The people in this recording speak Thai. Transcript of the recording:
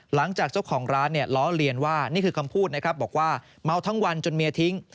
หลังจากเจ้าของร้านเนี่ยล้อเลียนว่านี่คือคำพูดนะครับบอกว่าเมาทั้งวันจนเมียทิ้ง